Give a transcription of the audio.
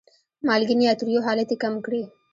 مالګین یا تریو حالت یې کم کړي.